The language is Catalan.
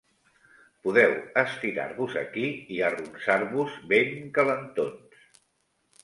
Podeu estirar-vos aquí i arronsar-vos ben calentons.